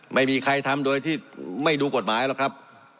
ไม่มีใครทำโดยที่ไม่ดูกฎหมายหรอกครับ